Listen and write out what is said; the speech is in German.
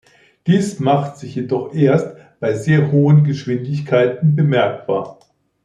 Dies macht sich jedoch erst bei sehr hohen Geschwindigkeiten bemerkbar.